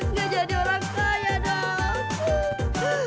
nggak jadi orang kaya dong